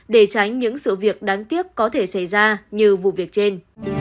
để tránh những sự việc đáng tiếc có thể xảy ra như vụ việc trên